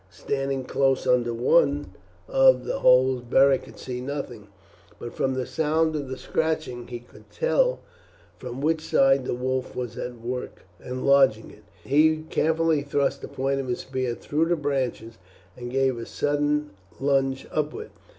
Standing close under one of the holes Beric could see nothing, but from the sound of the scratching he could tell from which side the wolf was at work enlarging it. He carefully thrust the point of his spear through the branches and gave a sudden lunge upwards.